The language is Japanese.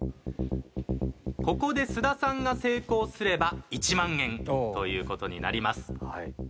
ここで菅田さんが成功すれば１万円という事になります。